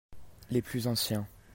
Les plus anciens.